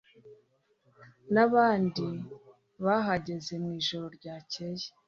nabandi bahageze mwijoro ryakeye.